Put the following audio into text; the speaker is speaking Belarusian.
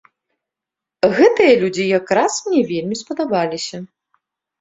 Гэтыя людзі якраз мне вельмі спадабаліся.